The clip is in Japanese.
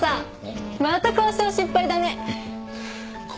また交渉失敗だね！